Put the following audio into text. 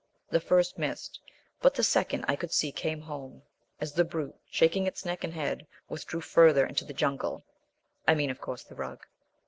The first missed, but the second I could see came home, as the brute, shaking its neck and head, withdrew further into the jungle I mean, of course, the rug.